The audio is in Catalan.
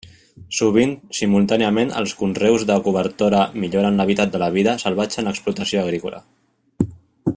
Sovint simultàniament els conreus de cobertora milloren l'hàbitat de la vida salvatge en l'explotació agrícola.